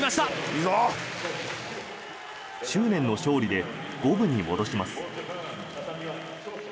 執念の勝利で五分に戻します。